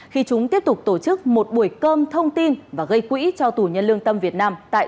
khi chúng tiếp tục tổ chức một buổi cơm thông tin và gây quỹ cho tù nhân lương tâm việt nam tại